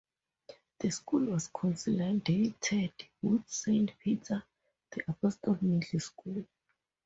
The school was consolidated with Saint Peter the Apostle Middle School.